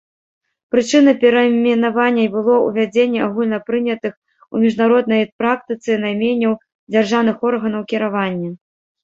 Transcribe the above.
Прычынай перайменавання было ўвядзенне агульнапрынятых у міжнароднай практыцы найменняў дзяржаўных органаў кіравання.